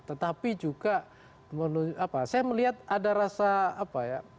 tetapi juga saya melihat ada rasa apa ya